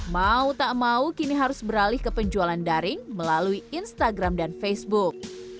mau tak mau kini harus beralih ke penjualan daring melalui instagram dan facebook